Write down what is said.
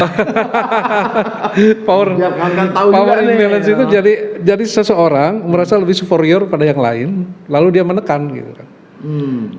hahaha power and balance itu jadi seseorang merasa lebih superior pada yang lain lalu dia menekan gitu kan